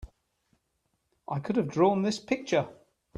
I could have drawn this picture!